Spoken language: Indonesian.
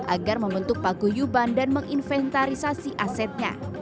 agar membentuk paguyuban dan menginventarisasi asetnya